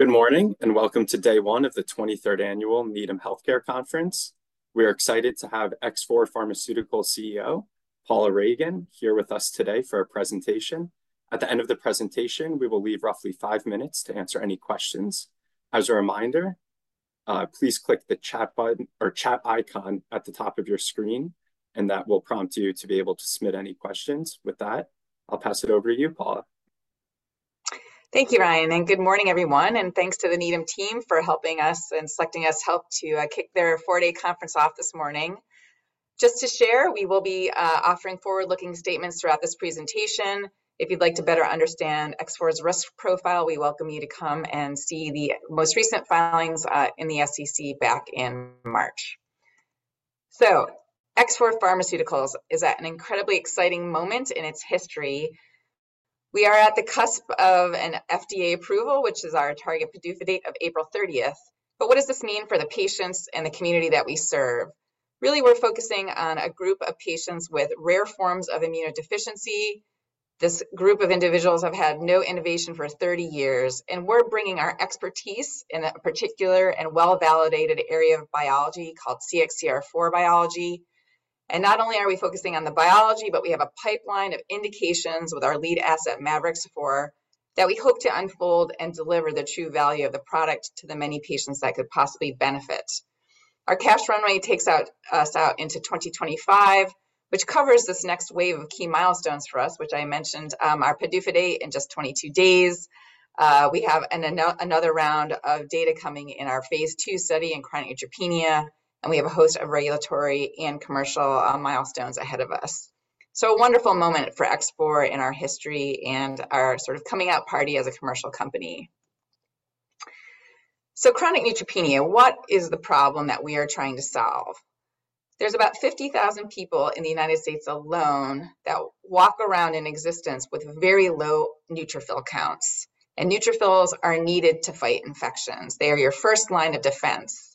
Good morning, and welcome to day one of the 23rd Annual Needham Healthcare Conference. We are excited to have X4 Pharmaceuticals CEO, Paula Ragan, here with us today for a presentation. At the end of the presentation, we will leave roughly 5 minutes to answer any questions. As a reminder, please click the chat button or chat icon at the top of your screen, and that will prompt you to be able to submit any questions. With that, I'll pass it over to you, Paula. Thank you, Ryan, and good morning, everyone, and thanks to the Needham team for helping us and selecting us help to kick their 4-day conference off this morning. Just to share, we will be offering forward-looking statements throughout this presentation. If you'd like to better understand X4's risk profile, we welcome you to come and see the most recent filings in the SEC back in March. X4 Pharmaceuticals is at an incredibly exciting moment in its history. We are at the cusp of an FDA approval, which is our target PDUFA date of April 30th. But what does this mean for the patients and the community that we serve? Really, we're focusing on a group of patients with rare forms of immunodeficiency. This group of individuals have had no innovation for 30 years, and we're bringing our expertise in a particular and well-validated area of biology called CXCR4 biology. Not only are we focusing on the biology, but we have a pipeline of indications with our lead asset, mavorixafor, that we hope to unfold and deliver the true value of the product to the many patients that could possibly benefit. Our cash runway takes us out into 2025, which covers this next wave of key milestones for us, which I mentioned, our PDUFA date in just 22 days. We have another round of data coming in our phase two study in chronic neutropenia, and we have a host of regulatory and commercial milestones ahead of us. So a wonderful moment for X4 in our history and our sort of coming out party as a commercial company. So chronic neutropenia, what is the problem that we are trying to solve? There's about 50,000 people in the United States alone that walk around in existence with very low neutrophil counts, and neutrophils are needed to fight infections. They are your first line of defense.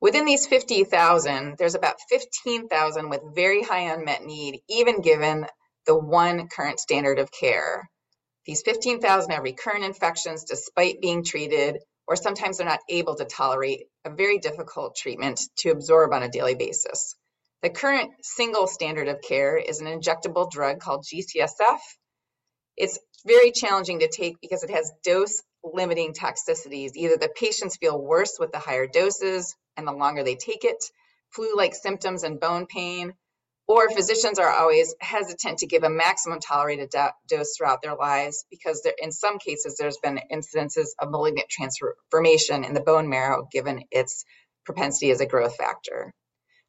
Within these 50,000, there's about 15,000 with very high unmet need, even given the one current standard of care. These 15,000 have recurrent infections despite being treated, or sometimes they're not able to tolerate a very difficult treatment to absorb on a daily basis. The current single standard of care is an injectable drug called G-CSF. It's very challenging to take because it has dose-limiting toxicities. Either the patients feel worse with the higher doses and the longer they take it, flu-like symptoms and bone pain, or physicians are always hesitant to give a maximum tolerated dose throughout their lives because there—in some cases, there's been incidences of malignant transformation in the bone marrow, given its propensity as a growth factor.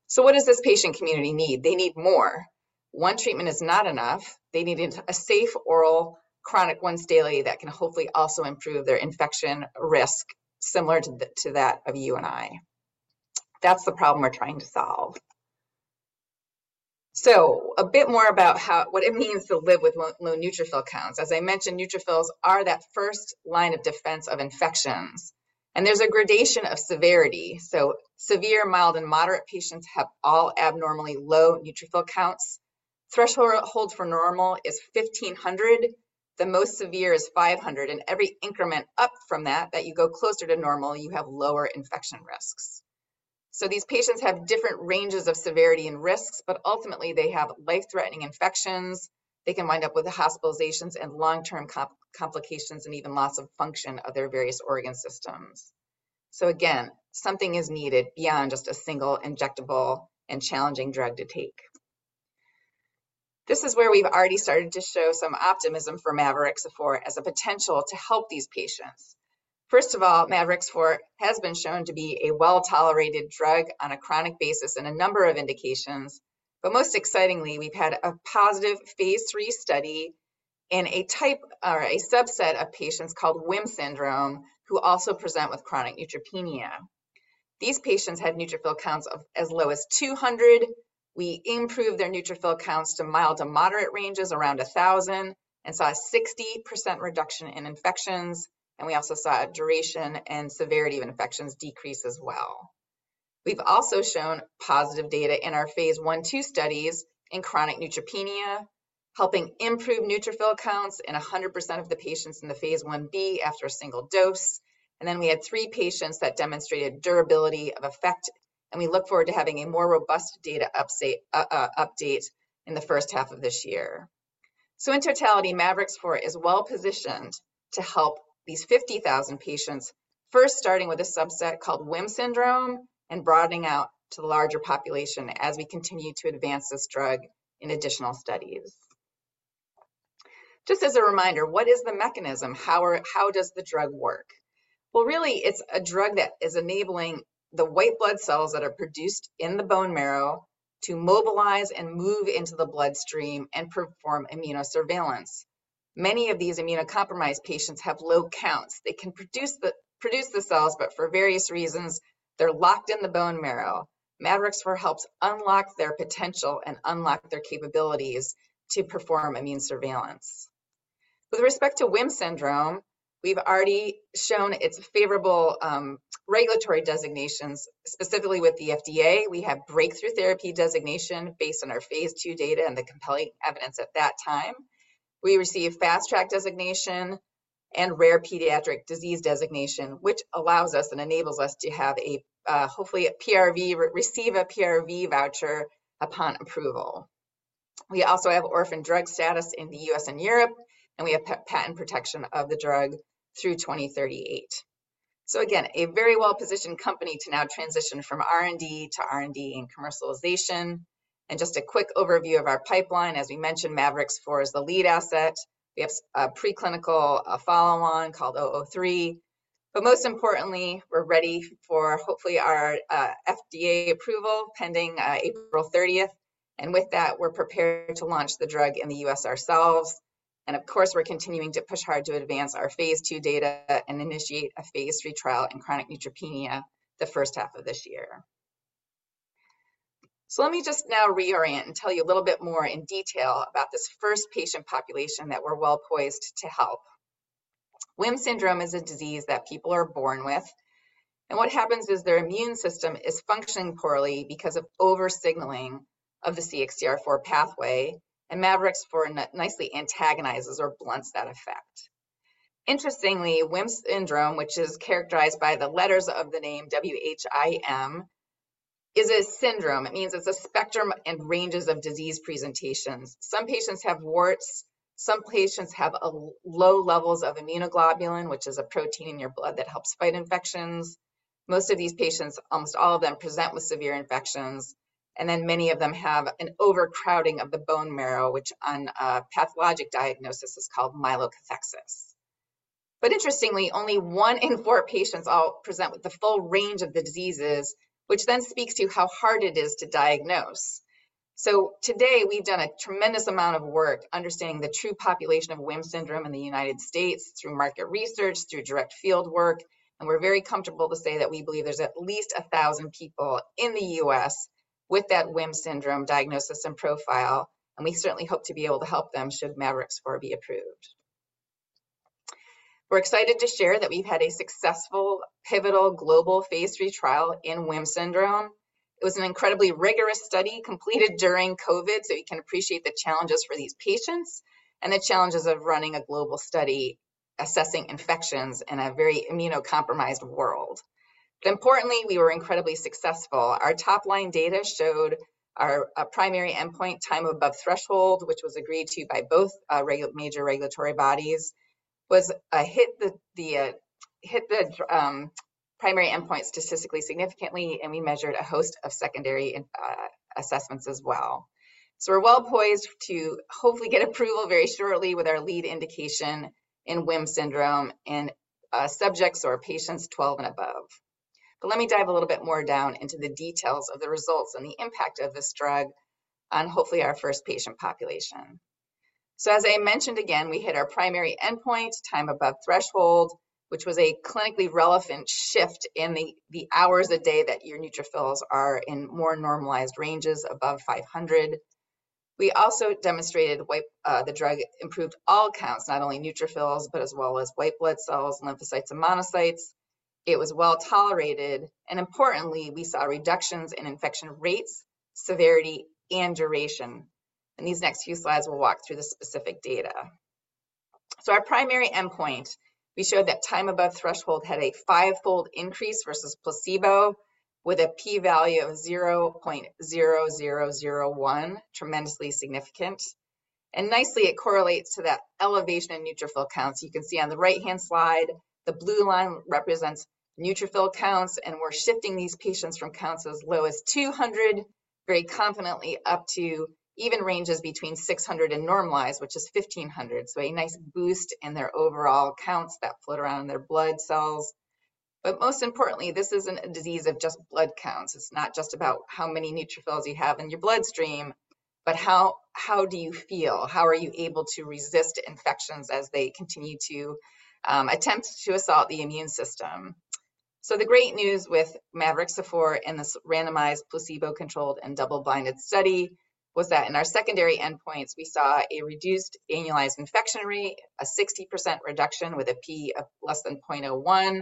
So what does this patient community need? They need more. One treatment is not enough. They need a safe, oral, chronic, once daily that can hopefully also improve their infection risk, similar to the, to that of you and I. That's the problem we're trying to solve. So a bit more about how... what it means to live with low neutrophil counts. As I mentioned, neutrophils are that first line of defense of infections, and there's a gradation of severity. So severe, mild, and moderate patients have all abnormally low neutrophil counts. Threshold for normal is 1,500, the most severe is 500, and every increment up from that, that you go closer to normal, you have lower infection risks. So these patients have different ranges of severity and risks, but ultimately, they have life-threatening infections. They can wind up with hospitalizations and long-term complications, and even loss of function of their various organ systems. So again, something is needed beyond just a single injectable and challenging drug to take. This is where we've already started to show some optimism for mavorixafor as a potential to help these patients. First of all, mavorixafor has been shown to be a well-tolerated drug on a chronic basis in a number of indications. But most excitingly, we've had a positive phase 3 study in a type or a subset of patients called WHIM syndrome, who also present with chronic neutropenia. These patients had neutrophil counts of as low as 200. We improved their neutrophil counts to mild to moderate ranges, around 1,000, and saw a 60% reduction in infections, and we also saw a duration and severity of infections decrease as well. We've also shown positive data in our phase 1/2 studies in chronic neutropenia, helping improve neutrophil counts in 100% of the patients in the phase 1B after a single dose. And then, we had 3 patients that demonstrated durability of effect, and we look forward to having a more robust data update in the first half of this year. So in totality, mavorixafor is well-positioned to help these 50,000 patients, first starting with a subset called WHIM syndrome and broadening out to the larger population as we continue to advance this drug in additional studies. Just as a reminder, what is the mechanism? How does the drug work? Well, really, it's a drug that is enabling the white blood cells that are produced in the bone marrow to mobilize and move into the bloodstream and perform immunosurveillance. Many of these immunocompromised patients have low counts. They can produce the cells, but for various reasons, they're locked in the bone marrow. Mavorixafor helps unlock their potential and unlock their capabilities to perform immune surveillance. With respect to WHIM syndrome, we've already shown its favorable regulatory designations, specifically with the FDA. We have breakthrough therapy designation based on our phase 2 data and the compelling evidence at that time. We received fast track designation and rare pediatric disease designation, which allows us and enables us to have a, hopefully a PRV, or receive a PRV voucher upon approval. We also have orphan drug status in the U.S. and Europe, and we have patent protection of the drug through 2038. So again, a very well-positioned company to now transition from R&D to R&D and commercialization. Just a quick overview of our pipeline. As we mentioned, mavorixafor is the lead asset. We have a preclinical follow-on called X4P-003. But most importantly, we're ready for hopefully our FDA approval pending April 30. With that, we're prepared to launch the drug in the U.S. ourselves. Of course, we're continuing to push hard to advance our phase 2 data and initiate a phase 3 trial in chronic neutropenia the first half of this year. So let me just now reorient and tell you a little bit more in detail about this first patient population that we're well-poised to help. WHIM syndrome is a disease that people are born with, and what happens is their immune system is functioning poorly because of over-signaling of the CXCR4 pathway, and mavorixafor nicely antagonizes or blunts that effect. Interestingly, WHIM syndrome, which is characterized by the letters of the name W-H-I-M, is a syndrome. It means it's a spectrum and ranges of disease presentations. Some patients have warts, some patients have a low levels of immunoglobulin, which is a protein in your blood that helps fight infections. Most of these patients, almost all of them, present with severe infections, and then many of them have an overcrowding of the bone marrow, which on a pathologic diagnosis is called myelokathexis. But interestingly, only one in four patients all present with the full range of the diseases, which then speaks to how hard it is to diagnose. So today, we've done a tremendous amount of work understanding the true population of WHIM syndrome in the United States through market research, through direct field work, and we're very comfortable to say that we believe there's at least 1,000 people in the US with that WHIM syndrome diagnosis and profile, and we certainly hope to be able to help them, should mavorixafor be approved. We're excited to share that we've had a successful, pivotal, global phase 3 trial in WHIM syndrome. It was an incredibly rigorous study completed during COVID, so you can appreciate the challenges for these patients and the challenges of running a global study assessing infections in a very immunocompromised world. But importantly, we were incredibly successful. Our top-line data showed our primary endpoint, time above threshold, which was agreed to by both major regulatory bodies, was a hit, the primary endpoint statistically significantly, and we measured a host of secondary assessments as well. So we're well poised to hopefully get approval very shortly with our lead indication in WHIM syndrome in subjects or patients 12 and above. But let me dive a little bit more down into the details of the results and the impact of this drug on hopefully our first patient population. So as I mentioned, again, we hit our primary endpoint, time above threshold, which was a clinically relevant shift in the hours a day that your neutrophils are in more normalized ranges above 500. We also demonstrated the drug improved all counts, not only neutrophils, but as well as white blood cells, lymphocytes, and monocytes. It was well-tolerated, and importantly, we saw reductions in infection rates, severity, and duration. In these next few slides, we'll walk through the specific data. So our primary endpoint, we showed that time above threshold had a fivefold increase versus placebo, with a P value of 0.0001, tremendously significant. And nicely, it correlates to that elevation in neutrophil counts. You can see on the right-hand slide, the blue line represents neutrophil counts, and we're shifting these patients from counts as low as 200, very confidently up to even ranges between 600 and normalized, which is 1,500. So a nice boost in their overall counts that float around in their blood cells. But most importantly, this isn't a disease of just blood counts. It's not just about how many neutrophils you have in your bloodstream, but how do you feel? How are you able to resist infections as they continue to attempt to assault the immune system? So the great news with mavorixafor in this randomized, placebo-controlled, and double-blinded study was that in our secondary endpoints, we saw a reduced annualized infection rate, a 60% reduction with a p of less than 0.01.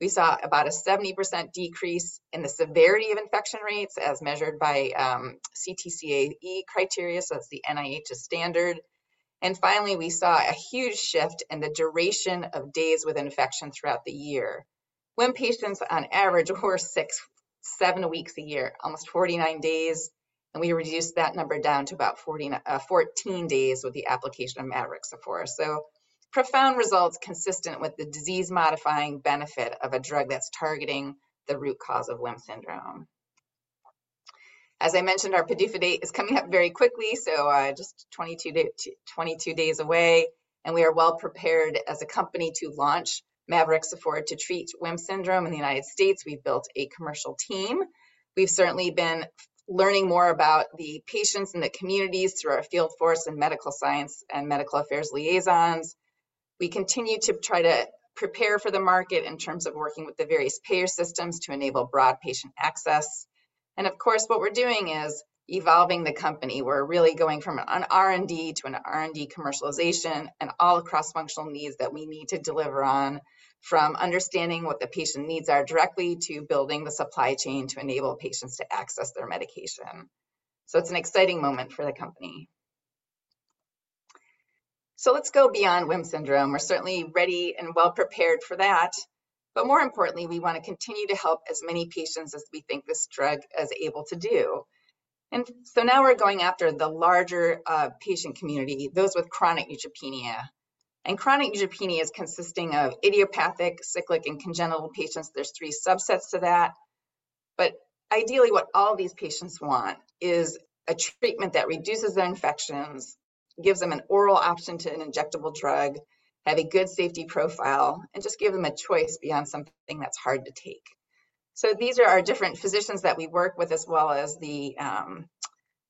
We saw about a 70% decrease in the severity of infection rates as measured by CTCAE criteria, so that's the NIH's standard. And finally, we saw a huge shift in the duration of days with infection throughout the year, when patients on average were 6-7 weeks a year, almost 49 days, and we reduced that number down to about 14 days with the application of mavorixafor. So profound results consistent with the disease-modifying benefit of a drug that's targeting the root cause of WHIM syndrome. As I mentioned, our PDUFA date is coming up very quickly, so just 22 days away, and we are well prepared as a company to launch mavorixafor to treat WHIM syndrome in the United States. We've built a commercial team. We've certainly been learning more about the patients and the communities through our field force and medical science and medical affairs liaisons. We continue to try to prepare for the market in terms of working with the various payer systems to enable broad patient access. And of course, what we're doing is evolving the company. We're really going from an R&D to an R&D commercialization and all cross-functional needs that we need to deliver on, from understanding what the patient needs are directly, to building the supply chain to enable patients to access their medication.... So it's an exciting moment for the company. So let's go beyond WHIM syndrome. We're certainly ready and well-prepared for that, but more importantly, we wanna continue to help as many patients as we think this drug is able to do. And so now we're going after the larger patient community, those with chronic neutropenia, and chronic neutropenia is consisting of idiopathic, cyclic, and congenital patients. There's three subsets to that, but ideally, what all these patients want is a treatment that reduces their infections, gives them an oral option to an injectable drug, have a good safety profile, and just give them a choice beyond something that's hard to take. So these are our different physicians that we work with, as well as the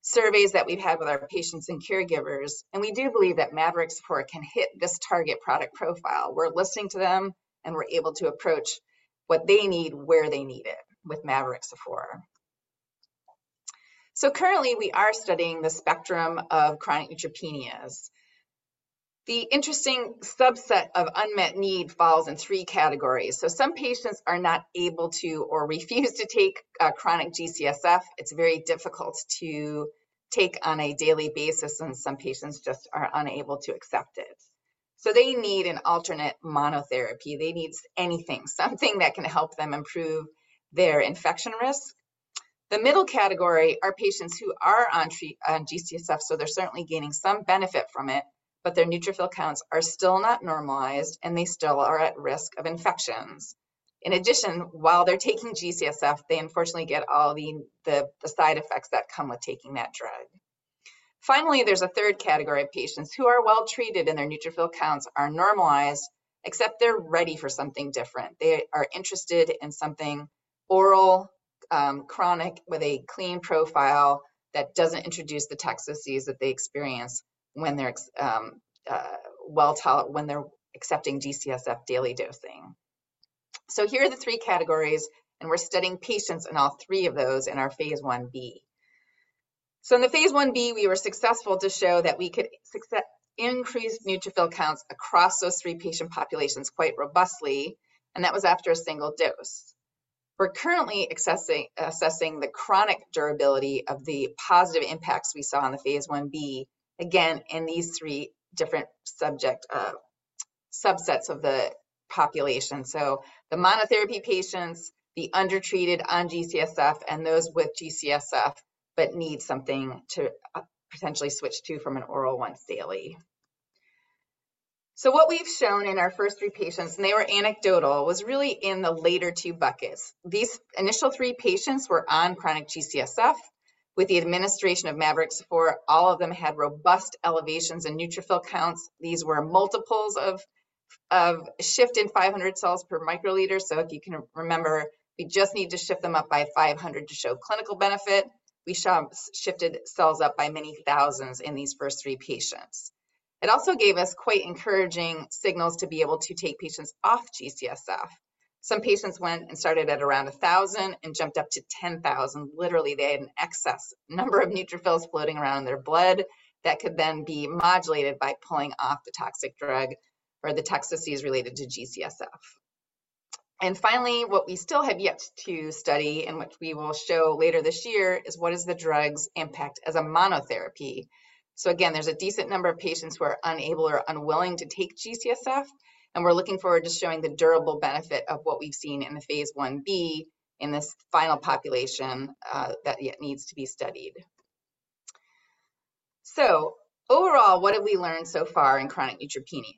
surveys that we've had with our patients and caregivers, and we do believe that mavorixafor can hit this target product profile. We're listening to them, and we're able to approach what they need, where they need it with mavorixafor. So currently, we are studying the spectrum of chronic neutropenias. The interesting subset of unmet need falls in three categories. So some patients are not able to or refuse to take a chronic G-CSF. It's very difficult to take on a daily basis, and some patients just are unable to accept it. So they need an alternate monotherapy. They need anything, something that can help them improve their infection risk. The middle category are patients who are on G-CSF, so they're certainly gaining some benefit from it, but their neutrophil counts are still not normalized, and they still are at risk of infections. In addition, while they're taking G-CSF, they unfortunately get all the side effects that come with taking that drug. Finally, there's a third category of patients who are well-treated, and their neutrophil counts are normalized, except they're ready for something different. They are interested in something oral, chronic, with a clean profile that doesn't introduce the toxicities that they experience when they're accepting G-CSF daily dosing. So here are the three categories, and we're studying patients in all three of those in our phase 1b. So in the phase 1b, we were successful to show that we could increase neutrophil counts across those three patient populations quite robustly, and that was after a single dose. We're currently assessing the chronic durability of the positive impacts we saw on the phase 1b, again, in these three different subject subsets of the population, so the monotherapy patients, the undertreated on G-CSF, and those with G-CSF, but need something to potentially switch to from an oral once daily. So what we've shown in our first three patients, and they were anecdotal, was really in the later two buckets. These initial three patients were on chronic G-CSF. With the administration of mavorixafor, all of them had robust elevations in neutrophil counts. These were multiples of shifted 500 cells per microliter. So if you can remember, we just need to shift them up by 500 to show clinical benefit. We saw shifted cells up by many thousands in these first three patients. It also gave us quite encouraging signals to be able to take patients off G-CSF. Some patients went and started at around 1,000 and jumped up to 10,000. Literally, they had an excess number of neutrophils floating around in their blood that could then be modulated by pulling off the toxic drug or the toxicities related to G-CSF. Finally, what we still have yet to study and what we will show later this year is what is the drug's impact as a monotherapy. So again, there's a decent number of patients who are unable or unwilling to take G-CSF, and we're looking forward to showing the durable benefit of what we've seen in the phase 1b in this final population that yet needs to be studied. So overall, what have we learned so far in chronic neutropenia?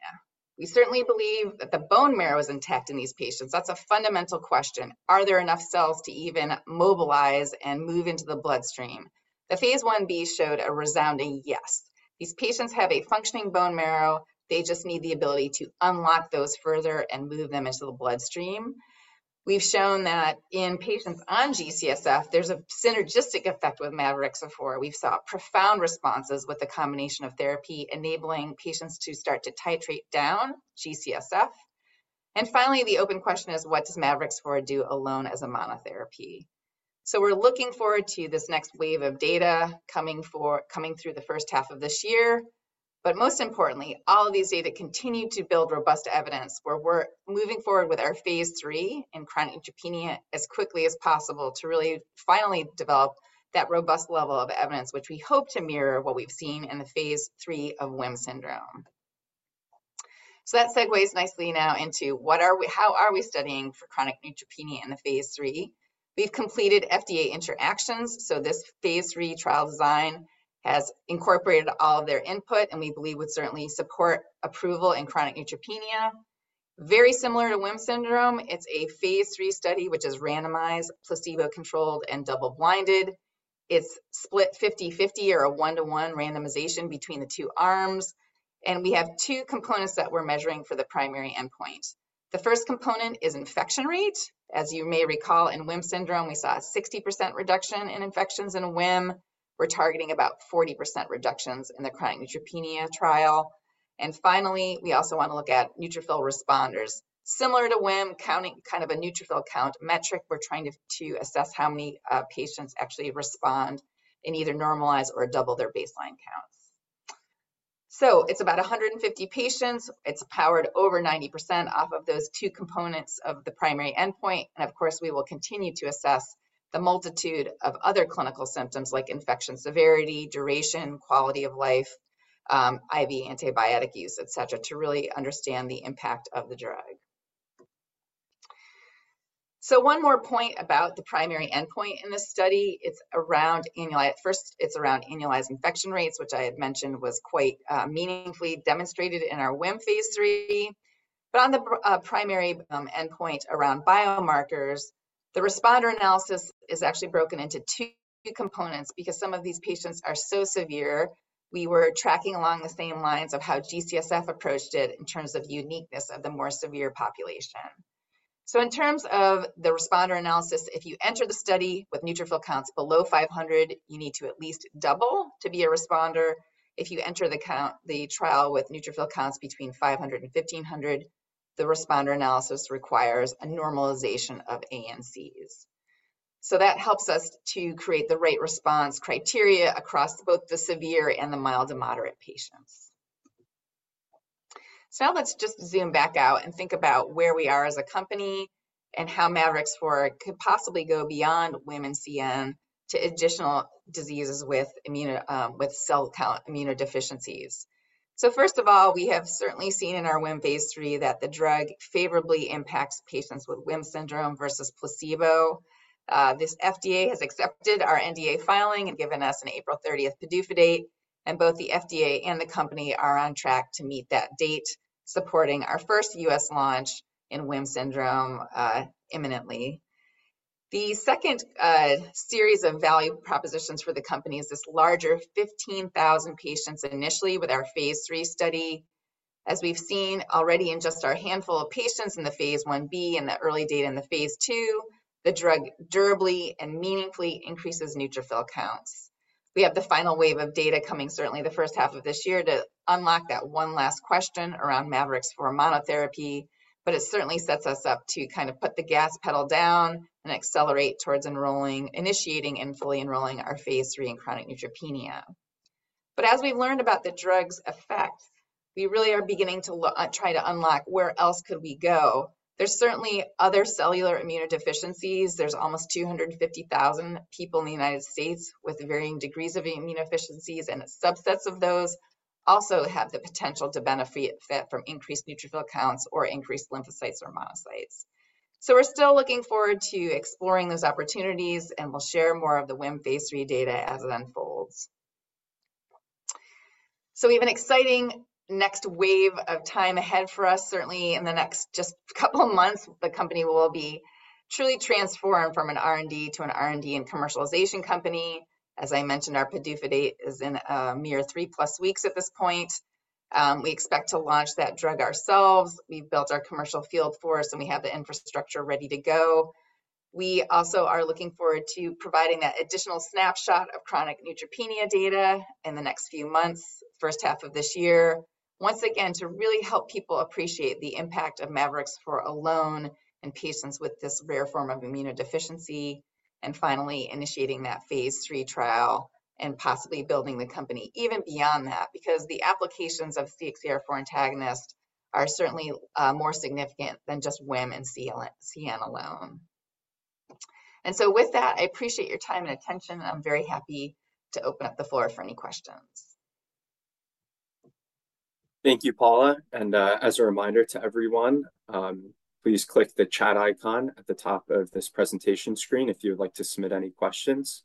We certainly believe that the bone marrow is intact in these patients. That's a fundamental question. Are there enough cells to even mobilize and move into the bloodstream? The phase 1b showed a resounding yes. These patients have a functioning bone marrow. They just need the ability to unlock those further and move them into the bloodstream. We've shown that in patients on G-CSF, there's a synergistic effect with mavorixafor. We've saw profound responses with the combination of therapy, enabling patients to start to titrate down G-CSF. Finally, the open question is: What does mavorixafor do alone as a monotherapy? So we're looking forward to this next wave of data coming through the first half of this year. But most importantly, all of these data continue to build robust evidence, where we're moving forward with our phase 3 in chronic neutropenia as quickly as possible to really finally develop that robust level of evidence, which we hope to mirror what we've seen in the phase 3 of WHIM syndrome. So that segues nicely now into how are we studying for chronic neutropenia in the phase 3? We've completed FDA interactions, so this phase 3 trial design has incorporated all of their input and we believe would certainly support approval in chronic neutropenia. Very similar to WHIM syndrome, it's a phase 3 study, which is randomized, placebo-controlled, and double-blinded. It's split 50/50 or a 1:1 randomization between the two arms, and we have two components that we're measuring for the primary endpoint. The first component is infection rate. As you may recall, in WHIM syndrome, we saw a 60% reduction in infections in WHIM. We're targeting about 40% reductions in the chronic neutropenia trial, and finally, we also want to look at neutrophil responders. Similar to WHIM, counting kind of a neutrophil count metric, we're trying to assess how many patients actually respond and either normalize or double their baseline count. So it's about 150 patients. It's powered over 90% off of those two components of the primary endpoint, and of course, we will continue to assess the multitude of other clinical symptoms, like infection severity, duration, quality of life, IV antibiotic use, et cetera, to really understand the impact of the drug. So one more point about the primary endpoint in this study, it's around annualized infection rates, which I had mentioned was quite meaningfully demonstrated in our WHIM phase 3. But on the primary endpoint around biomarkers, the responder analysis is actually broken into two components. Because some of these patients are so severe, we were tracking along the same lines of how G-CSF approached it in terms of uniqueness of the more severe population. So in terms of the responder analysis, if you enter the study with neutrophil counts below 500, you need to at least double to be a responder. If you enter the trial with neutrophil counts between 500 and 1,500, the responder analysis requires a normalization of ANCs. So that helps us to create the right response criteria across both the severe and the mild to moderate patients. So now let's just zoom back out and think about where we are as a company, and how mavorixafor could possibly go beyond WHIM and CN to additional diseases with immuno- with cell count immunodeficiencies. So first of all, we have certainly seen in our WHIM phase 3 that the drug favorably impacts patients with WHIM syndrome versus placebo. The FDA has accepted our NDA filing and given us an April 30th PDUFA date, and both the FDA and the company are on track to meet that date, supporting our first U.S. launch in WHIM syndrome imminently. The second series of value propositions for the company is this larger 15,000 patients initially with our phase 3 study. As we've seen already in just our handful of patients in the phase 1b and the early data in the phase 2, the drug durably and meaningfully increases neutrophil counts. We have the final wave of data coming certainly the first half of this year to unlock that one last question around mavorixafor monotherapy, but it certainly sets us up to kind of put the gas pedal down and accelerate towards enrolling- initiating and fully enrolling our phase 3 in chronic neutropenia. But as we've learned about the drug's effect, we really are beginning to try to unlock where else could we go? There's certainly other cellular immunodeficiencies. There's almost 250,000 people in the United States with varying degrees of immunodeficiencies, and subsets of those also have the potential to benefit from increased neutrophil counts or increased lymphocytes or monocytes. So we're still looking forward to exploring those opportunities, and we'll share more of the WHIM phase 3 data as it unfolds. So we have an exciting next wave of time ahead for us. Certainly, in the next just couple of months, the company will be truly transformed from an R&D to an R&D and commercialization company. As I mentioned, our PDUFA date is in a mere 3+ weeks at this point. We expect to launch that drug ourselves. We've built our commercial field force, and we have the infrastructure ready to go. We also are looking forward to providing that additional snapshot of chronic neutropenia data in the next few months, first half of this year, once again, to really help people appreciate the impact of mavorixafor alone in patients with this rare form of immunodeficiency. Finally, initiating that phase 3 trial and possibly building the company even beyond that, because the applications of CXCR4 antagonist are certainly more significant than just WHIM and CN alone. And so with that, I appreciate your time and attention, and I'm very happy to open up the floor for any questions. Thank you, Paula, and, as a reminder to everyone, please click the chat icon at the top of this presentation screen if you would like to submit any questions.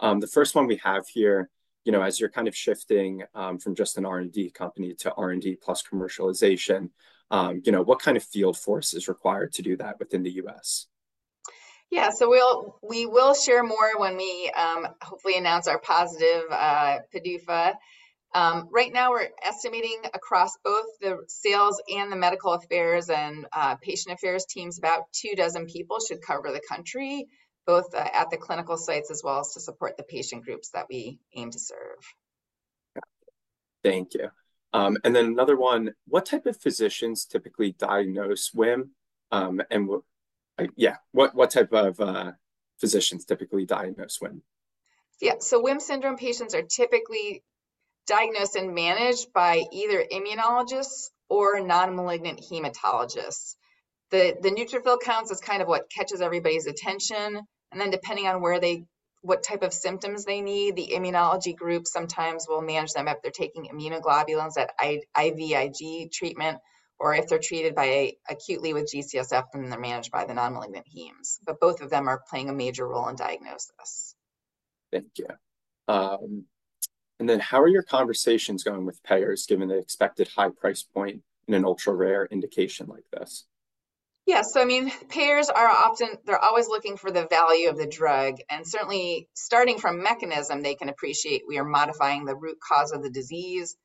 The first one we have here, you know, as you're kind of shifting, from just an R&D company to R&D plus commercialization, you know, what kind of field force is required to do that within the US? Yeah, so we will share more when we, hopefully announce our positive PDUFA. Right now, we're estimating across both the sales and the medical affairs and patient affairs teams, about 24 people should cover the country, both at the clinical sites, as well as to support the patient groups that we aim to serve. Thank you. And then another one: What type of physicians typically diagnose WHIM, and what type of physicians typically diagnose WHIM? Yeah, so WHIM syndrome patients are typically diagnosed and managed by either immunologists or non-malignant hematologists. The neutrophil counts is kind of what catches everybody's attention, and then depending on where they... what type of symptoms they need, the immunology group sometimes will manage them if they're taking immunoglobulins, that IVIg treatment, or if they're treated by acutely with G-CSF, then they're managed by the non-malignant Hemes. But both of them are playing a major role in diagnosis. Thank you. And then how are your conversations going with payers, given the expected high price point in an ultra-rare indication like this? Yeah, so I mean, payers are often, they're always looking for the value of the drug, and certainly, starting from mechanism, they can appreciate we are modifying the root cause of the disease.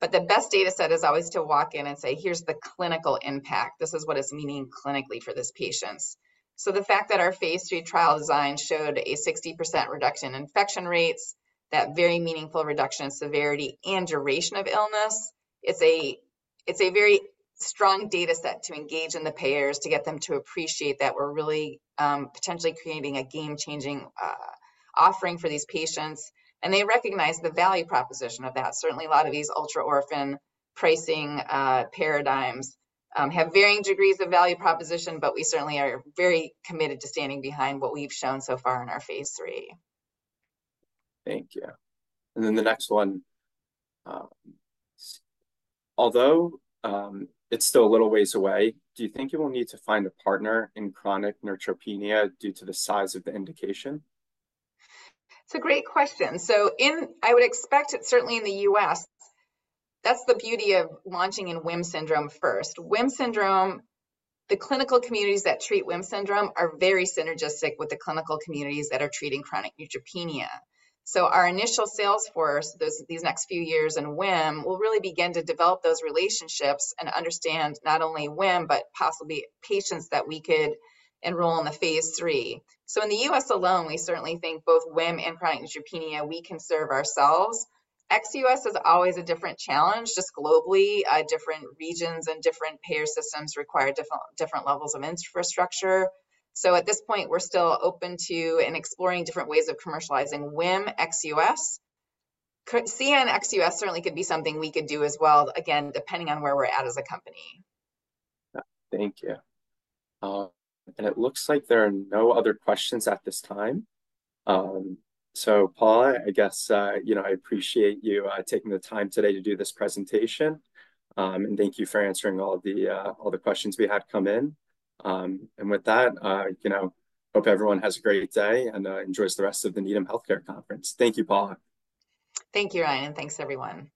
But the best data set is always to walk in and say, "Here's the clinical impact. This is what it's meaning clinically for these patients." So the fact that our phase 3 trial design showed a 60% reduction in infection rates, that very meaningful reduction in severity and duration of illness, it's a very strong data set to engage in the payers to get them to appreciate that we're really potentially creating a game-changing offering for these patients, and they recognize the value proposition of that. Certainly, a lot of these ultra-orphan pricing paradigms have varying degrees of value proposition, but we certainly are very committed to standing behind what we've shown so far in our Phase 3. Thank you. And then the next one, although, it's still a little ways away, do you think you will need to find a partner in chronic neutropenia due to the size of the indication? It's a great question. So I would expect it, certainly in the U.S., that's the beauty of launching in WHIM syndrome first. WHIM syndrome, the clinical communities that treat WHIM syndrome are very synergistic with the clinical communities that are treating chronic neutropenia. So our initial sales force, these next few years in WHIM, will really begin to develop those relationships and understand not only WHIM, but possibly patients that we could enroll in the phase 3. So in the U.S. alone, we certainly think both WHIM and chronic neutropenia, we can serve ourselves. Ex-U.S. is always a different challenge. Just globally, different regions and different payer systems require different, different levels of infrastructure. So at this point, we're still open to and exploring different ways of commercializing WHIM ex-U.S. CN ex-US certainly could be something we could do as well, again, depending on where we're at as a company. Thank you. It looks like there are no other questions at this time. So Paula, I guess, you know, I appreciate you taking the time today to do this presentation, and thank you for answering all the questions we had come in. With that, you know, hope everyone has a great day and enjoys the rest of the Needham Healthcare Conference. Thank you, Paula. Thank you, Ryan. Thanks, everyone.